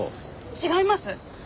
違います！